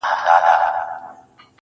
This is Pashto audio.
د خپلي ژبي په بلا_